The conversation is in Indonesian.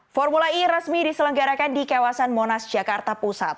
formula e resmi diselenggarakan di kawasan monas jakarta pusat